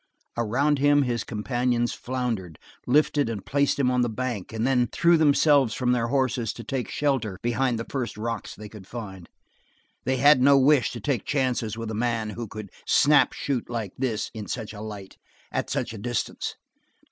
Around him his companions floundered, lifted and placed him on the bank, and then threw themselves from their horses to take shelter behind the first rocks they could find; they had no wish to take chances with a man who could snap shoot like this in such a light, at such a distance.